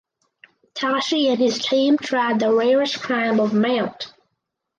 Tashi and his team tried the rarest climb of Mt.